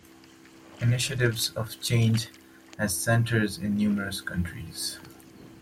Initiatives of Change has centres in numerous countries.